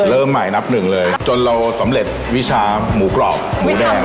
เริ่มใหม่นับหนึ่งเลยจนเราสำเร็จวิชาหมูกรอบหมูแดง